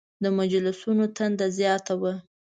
د مجلسونو تنده زیاته وه.